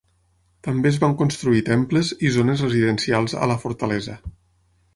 També es van construir temples i zones residencials a la fortalesa.